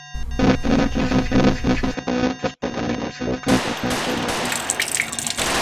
Martín es licenciado en Ciencias Económicas por la Universidad Complutense de Madrid.